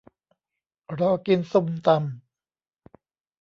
รอกินส้มตำ